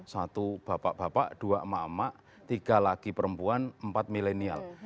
satu bapak bapak dua emak emak tiga laki perempuan empat milenial